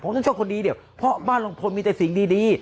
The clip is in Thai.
ผมจะช่วยคนดีเพราะบ้านลงพลมีแต่สิ่งดี